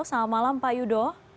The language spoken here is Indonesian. selamat malam pak yudo